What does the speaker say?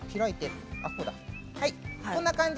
こんな感じ。